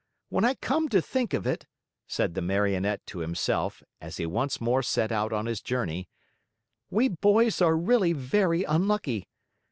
When I come to think of it," said the Marionette to himself, as he once more set out on his journey, "we boys are really very unlucky.